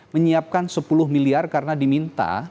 menyiapkan sepuluh miliar karena diminta